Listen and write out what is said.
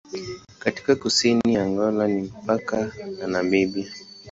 Katika kusini ya Angola ni mpaka na Namibia.